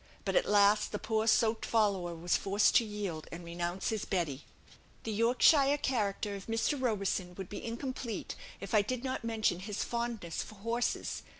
But, at last, the poor soaked "follower" was forced to yield, and renounce his Betty. The Yorkshire character of Mr. Roberson would be incomplete if I did not mention his fondness for horses.